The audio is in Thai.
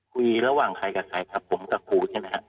คุยระหว่างใครกับใครครับผมกับครูใช่ไหมครับ